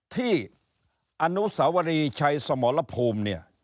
ที่อนุสาวรีชัยสมรพูม